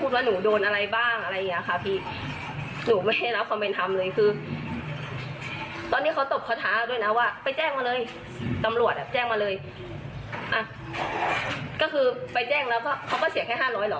โดบหนูที่ไหนไหว้หนูที่นั่นแล้วก็หนูจะเรียกฆ่าท้องขวัญเลยค่ะ